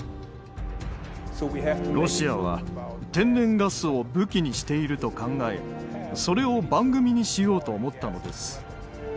ロシアは天然ガスを武器にしていると考えそれを番組にしようと思ったのです。